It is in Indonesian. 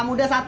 sama muda satu